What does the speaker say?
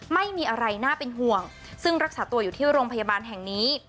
ไม่มีอะไรน่าเป็นห่วงซึ่งรักษาตัวอยู่ที่โรงพยาบาลแห่งนี้